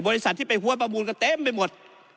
บริษัทที่ไปหัวประมูลก็เต็มไปหมด